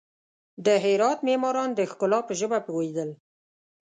د هرات معماران د ښکلا په ژبه پوهېدل.